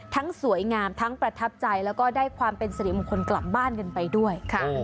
สวยงามทั้งประทับใจแล้วก็ได้ความเป็นสิริมงคลกลับบ้านกันไปด้วย